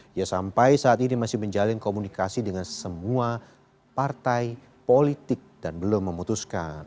dia sampai saat ini masih menjalin komunikasi dengan semua partai politik dan belum memutuskan